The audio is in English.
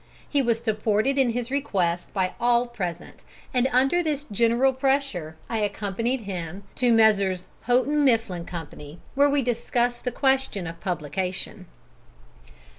He was supported in his request by all present, and under this general pressure I accompanied him to Messrs. Houghton Mifflin Company, where we discussed the question of publication.